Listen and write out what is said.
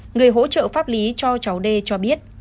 người hỗ trợ pháp lý cho cháu đê cho biết